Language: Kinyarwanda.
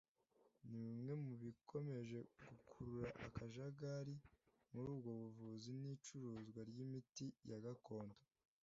ni bimwe mu bikomeje gukurura akajagari muri ubwo buvuzi n’icuruzwa ry’imiti ya gakondo